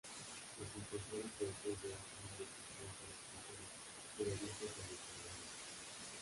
Los impulsores de esta idea son un grupo extenso de escritores, periodistas e investigadores.